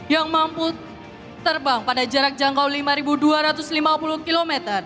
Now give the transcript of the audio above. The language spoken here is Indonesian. yang mampu terbang pada jarak jangkau lima dua ratus lima puluh km